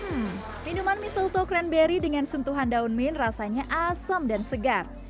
hmm minuman misel tokren berry dengan sentuhan daun mint rasanya asam dan segar